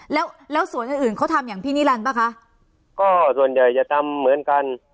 แล้วแล้วสวนอื่นอื่นเขาทำอย่างพี่นิรันดิป่ะคะก็ส่วนใหญ่จะทำเหมือนกัน